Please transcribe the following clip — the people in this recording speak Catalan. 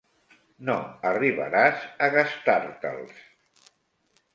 No arribaràs a gastar-te'ls.